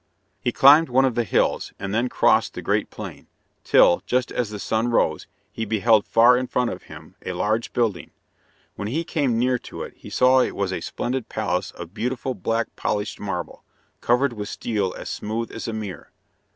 He climbed one of the hills, and then crossed the great plain, till, just as the sun rose, he beheld far in front of him a large building. When he came near to it he saw it was a splendid palace of beautiful black polished marble, covered with steel as smooth as a mirror.